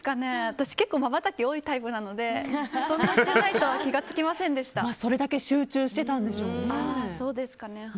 私、結構まばたきが多いタイプなのでそんなにしてないとはそれだけ集中していたんでしょうね。